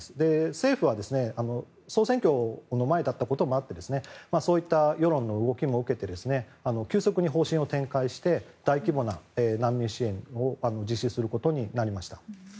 政府は総選挙の前だったこともあってそういった世論の動きも受けて急速に方針を転換して大規模な難民支援を実施することになりました。